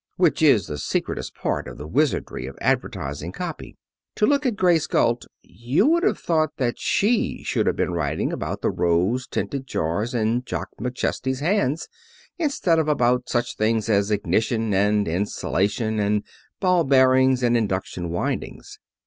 Which is the secretest part of the wizardry of advertising copy. To look at Grace Galt you would have thought that she should have been writing about the rose tinted jars in Jock McChesney's hands instead of about such things as ignition, and insulation, and ball bearings, and induction windings.